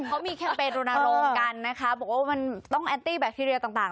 เขามีแคมเปญรณรงค์กันนะคะบอกว่ามันต้องแอนตี้แบคทีเรียต่าง